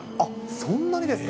そんなにですか。